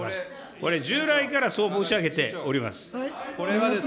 これ、従来からそう申し上げております。